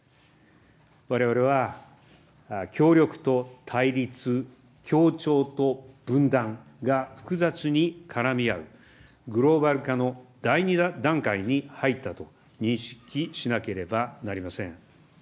われわれは協力と対立、協調と分断が複雑に絡み合う、グローバル化の第２段階に入ったと認識しなければなりません。